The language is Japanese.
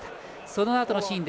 そのあとのシーン。